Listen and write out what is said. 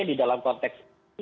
di dalam konteks